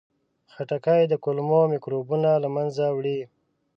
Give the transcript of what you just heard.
خټکی د کولمو میکروبونه له منځه وړي.